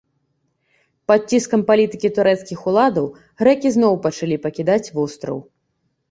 Пад ціскам палітыкі турэцкіх уладаў, грэкі зноў пачалі пакідаць востраў.